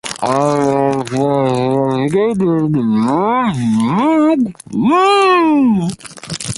In the beginning, the mole spoke.